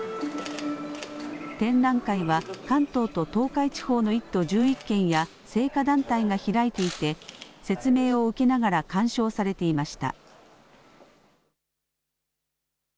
展覧会は、関東と東海地方の１都１１県や、生花団体が開いていて、説明を受けながら鑑賞されていました。